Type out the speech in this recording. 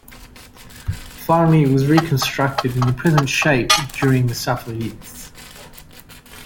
Finally, it was reconstructed in its present shape during the Safavids.